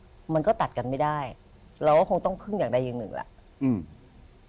มันก็ตัดกันไม่ได้เราก็คงต้องพึ่งอย่างใดอย่างหนึ่งแหละอืม